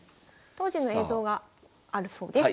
当時の映像があるそうです。